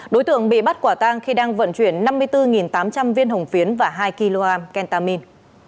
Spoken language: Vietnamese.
đối tượng bị bắt quả tang khi đang vận chuyển năm mươi bốn tám trăm linh viên hồng phiến và hai kg kentamine